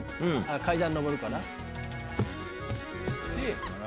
階段上るから？